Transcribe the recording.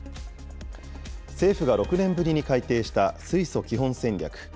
政府が６年ぶりに改定した水素基本戦略。